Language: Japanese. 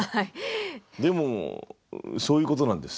でもそういうことなんです。